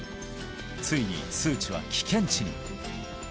ついに数値は危険値に！